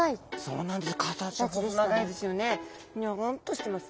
そうなんです。